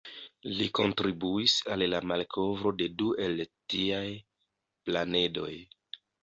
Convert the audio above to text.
Li kontribuis al la malkovro de du el tiaj planedoj.